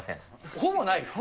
ほぼない？